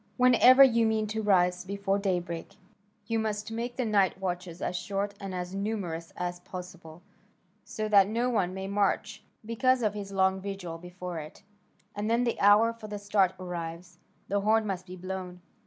Whenever you mean to rise before daybreak, you must make the night watches as short and as numerous as possible, so that no one may suffer on the march because of his long vigil before it; and when the hour for the start arrives the horn must be blown.